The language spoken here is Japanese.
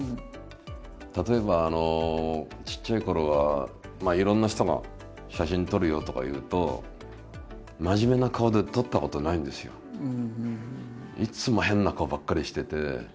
例えばちっちゃいころはいろんな人が「写真撮るよ」とか言うといつも変な顔ばっかりしてて。